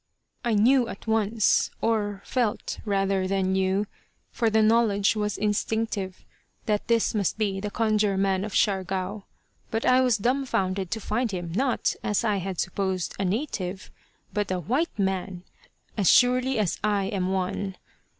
I knew at once, or felt rather than knew, for the knowledge was instinctive, that this must be the Conjure man of Siargao, but I was dumbfounded to find him, not, as I had supposed, a native, but a white man, as surely as I am one.